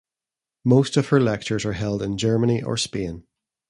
Most of her lectures are held in Germany or Spain.